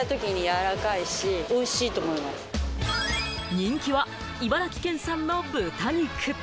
人気は茨城県産の豚肉。